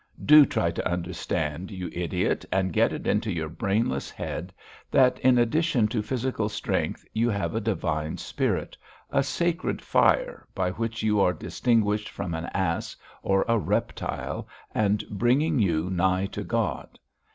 "Do try to understand, you idiot, and get it into your brainless head, that in addition to physical strength you have a divine spirit; a sacred fire, by which you are distinguished from an ass or a reptile and bringing you nigh to God.